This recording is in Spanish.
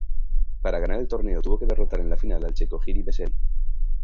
Para ganar el torneo tuvo que derrotar en la final al checo Jiří Veselý.